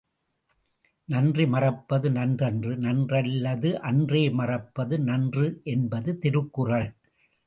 நன்றி மறப்பது நன்றன்று நன்றல்லது அன்றே மறப்பது நன்று என்பது திருக்குறள்.